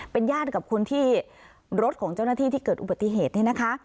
เป็นญาติกับคนที่รถของเจ้าหน้าที่ที่เกิดอุบัติเหตุนี่นะคะ